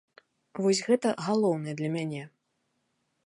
Вось гэта галоўнае для мяне.